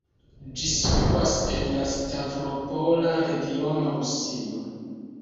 Ĝi situas en la Stavropola regiono, Rusio.